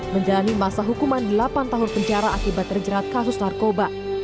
menjalani masa hukuman delapan tahun penjara akibat terjerat kasus narkoba